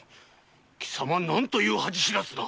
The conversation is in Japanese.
貴様何という恥知らずな。